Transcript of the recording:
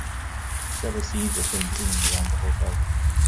Several scenes were filmed in and around the hotel.